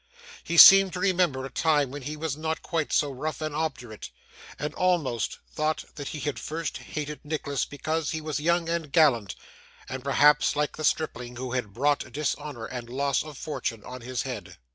He seemed to remember a time when he was not quite so rough and obdurate; and almost thought that he had first hated Nicholas because he was young and gallant, and perhaps like the stripling who had brought dishonour and loss of fortune on his head.